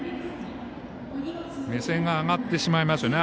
目線が上がってしまいます。